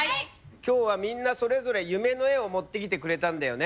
今日はみんなそれぞれ夢の絵を持ってきてくれたんだよね。